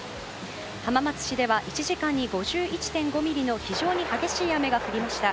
浜松市では１時間に５１．５ミリの非常に激しい雨が降りました。